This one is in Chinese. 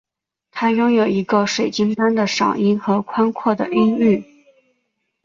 她拥有一个水晶般的嗓音和宽阔的音域。